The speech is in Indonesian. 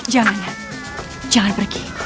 jangan jangan pergi